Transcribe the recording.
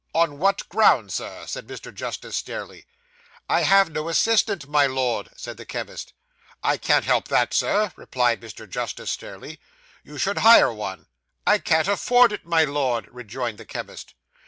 'On what grounds, Sir?' said Mr. Justice Stareleigh. 'I have no assistant, my Lord,' said the chemist. 'I can't help that, Sir,' replied Mr. Justice Stareleigh. 'You should hire one.' 'I can't afford it, my Lord,' rejoined the chemist.